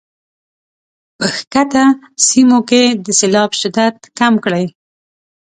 په ښکته سیمو کې د سیلاب شدت کم کړي.